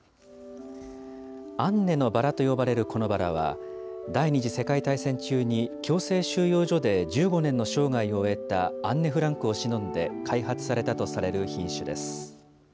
アンネのバラと呼ばれるこのバラは、第２次世界大戦中に強制収容所で１５年の生涯を終えたアンネ・フランクをしのんで、開発されたとされる品種です。